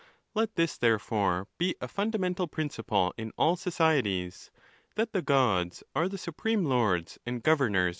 VII. Let this, therefore, be a fundamental principle in all societies, that the Gods are the supreme lords and governors.